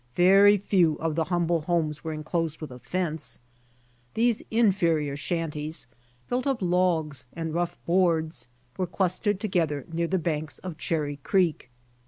Very few of the humble homes were enclosed with a fence. These inferior shanties, built of logs and rough boards, were clustered together near the banks of Cherry creek.